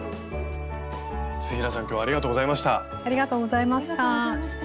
土平さん今日ありがとうございました。